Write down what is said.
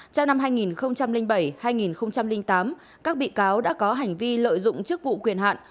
trong năm hai nghìn bảy hai nghìn tám các bị cáo đã có hành vi lợi dụng chức vụ quyền hạn